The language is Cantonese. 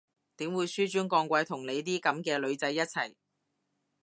點會紓尊降貴同你啲噉嘅女仔一齊？